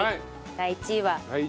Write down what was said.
第１位は？